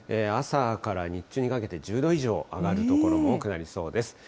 朝から日中にかけて、１０度以上上がる所も多くなりそうです。